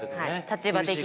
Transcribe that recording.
立場的に。